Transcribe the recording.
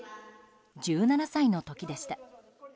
１７歳の時でした。